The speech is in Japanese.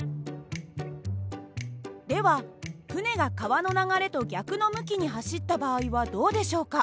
では船が川の流れと逆の向きに走った場合はどうでしょうか？